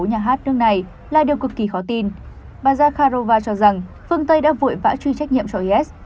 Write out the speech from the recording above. nhà hát nước này là điều cực kỳ khó tin bà zakharova cho rằng phương tây đã vội vã truy trách nhiệm cho is